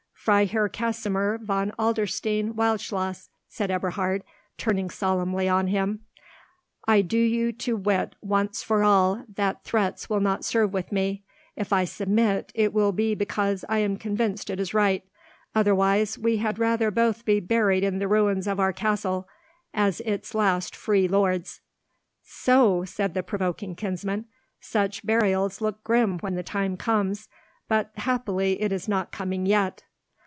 "Freiherr Kasimir von Adlerstein Wildschloss," said Eberhard, turning solemnly on him, "I do you to wit once for all that threats will not serve with me. If I submit, it will be because I am convinced it is right. Otherwise we had rather both be buried in the ruins of our castle, as its last free lords." "So!" said the provoking kinsman; "such burials look grim when the time comes, but happily it is not coming yet!"